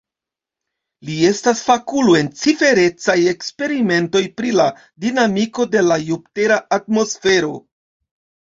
Li estas fakulo en ciferecaj eksperimentoj pri la dinamiko de la jupitera atmosfero.